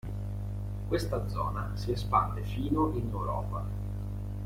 Questa zona si espande fino in Europa.